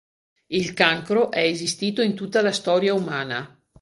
Il cancro è esistito in tutta la storia umana.